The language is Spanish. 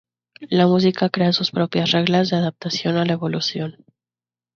La música crea sus propias reglas de adaptación a la evolución.